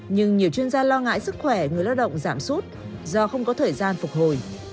nhưng nhiều chuyên gia lo ngại sức khỏe người lao động giảm sút do không có thời gian phục hồi